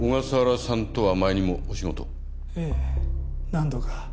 何度か。